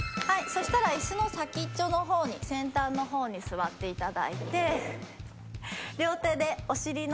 そしたら椅子の先っちょの方に先端の方に座っていただいて。